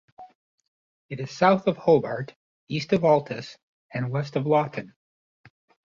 It is south of Hobart, east of Altus and west of Lawton.